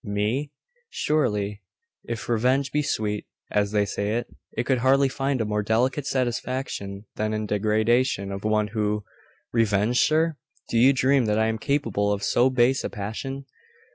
'Me?' 'Surely if revenge be sweet, as they say, it could hardly find a more delicate satisfaction than in degradation of one who ' 'Revenge, sir? Do you dream that I am capable of so base a passion?